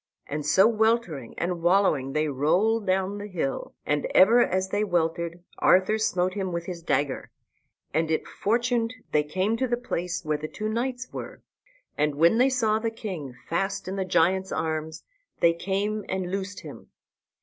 And so weltering and wallowing they rolled down the hill, and ever as they weltered Arthur smote him with his dagger; and it fortuned they came to the place where the two knights were. And when they saw the king fast in the giant's arms they came and loosed him.